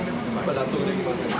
納得できません。